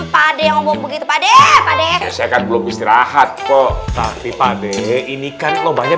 pada yang begitu pada pada saya kan belum istirahat kok tapi pade ini kan lo banyak